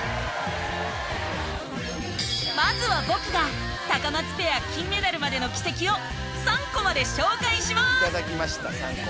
まずは僕がタカマツペア金メダルまでの軌跡を３コマで紹介します！